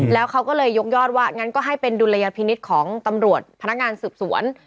แล้วเขาก็เลยยกยอดว่างั้นก็ให้เป็นดุลยพินิษฐ์ของตำรวจพนักงานสืบสวน